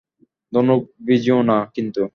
ধনুক ভিজিও না কিন্তু।